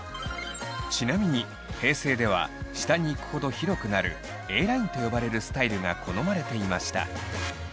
ちなみに平成では下に行くほど広くなるＡラインと呼ばれるスタイルが好まれていました。